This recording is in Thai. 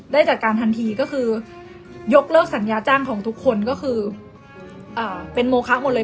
ได้จัดการทันทีก็คือยกเลิกสัญญาจ้างของทุกคนก็คือเป็นโมคะหมดเลย